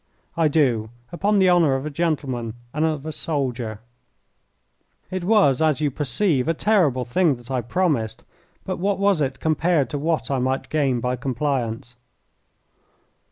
"I do, upon the honour of a gentleman and a soldier." It was, as you perceive, a terrible thing that I promised, but what was it compared to what I might gain by compliance?